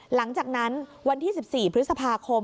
หลังจากนั้นวันที่๑๔พฤษภาคม